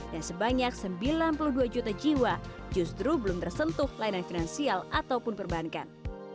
dan sebanyak sembilan puluh dua juta jiwa justru belum tersentuh layanan finansial ataupun perbankan